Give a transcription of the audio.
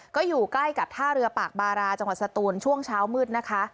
ก็อยู่ใกล้กับท่าเรือปากบาราจังหวัดสตูนช่วงเช้ามืดนะคะ